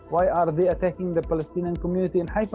kenapa mereka mencabut komunitas palestina di haifa